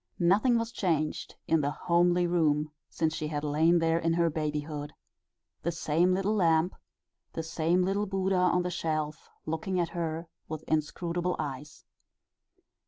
Nothing was changed in the homely room since she had lain there in her babyhood: the same little lamp, the same little Buddha on the shelf looking at her with inscrutable eyes.